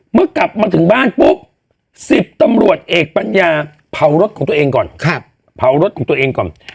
เมื่อกลับมาถึงบ้านปุ๊บ๑๐ตำรวจเอกปัญญาเผารถของตัวเองก่อน